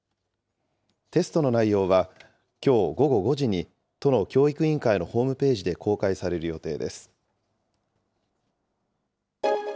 テストの内容は、きょう午後５時に、都の教育委員会のホームページで公開される予定です。